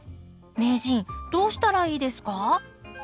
名人どうしたらいいですか？